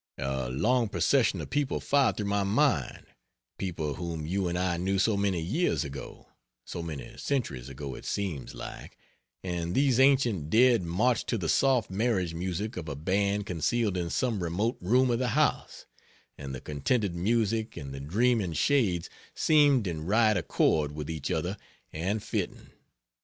A long procession of people filed through my mind people whom you and I knew so many years ago so many centuries ago, it seems like and these ancient dead marched to the soft marriage music of a band concealed in some remote room of the house; and the contented music and the dreaming shades seemed in right accord with each other, and fitting.